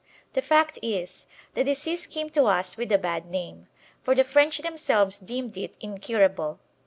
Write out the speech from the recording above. The fact is, the disease came to us with a bad name, for the French themselves deemed it incurable.